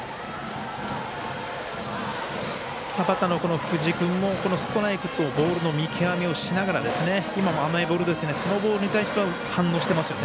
福地君もストライクとボールの見極めをしながら今も甘いボールですがそのボールに対しては反応してますよね。